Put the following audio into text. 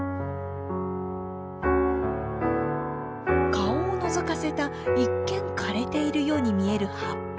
顔をのぞかせた一見枯れているように見える葉っぱ。